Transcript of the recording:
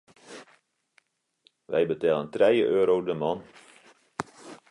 Wy betellen trije euro de man.